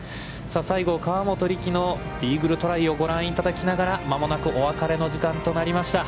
最後河本力のイーグルトライをご覧いただきながら間もなくお別れの時間となりました。